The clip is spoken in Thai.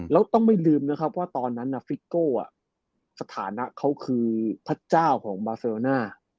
แล้วต้องไม่ลืมนะครับว่าตอนนั้นฟิโก้สถานะเขาคือพระเจ้าของบาเซโรน่า